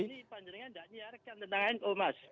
ini panjangan tidak menyiarikan tentang nomas